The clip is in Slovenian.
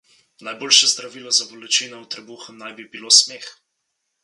Najboljše zdravilo za bolečine v trebuhu naj bi bilo smeh.